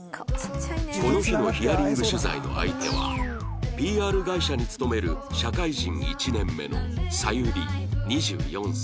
この日のヒアリング取材の相手は ＰＲ 会社に勤める社会人１年目のサユリ２４歳